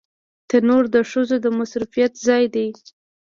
تنور د ښځو د مصروفيت ځای دی